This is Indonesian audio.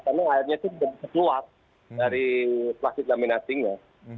karena airnya itu berkeluar dari asib laminatingnya